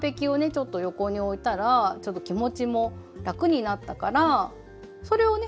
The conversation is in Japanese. ちょっと横に置いたらちょっと気持ちも楽になったからそれをね